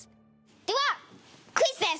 ではクイズです！